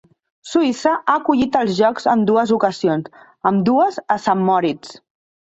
Suïssa ha acollit els Jocs en dues ocasions, ambdues a Saint Moritz.